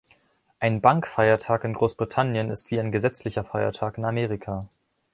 Ein Bankfeiertag in Großbritannien ist wie ein gesetzlicher Feiertag in Amerika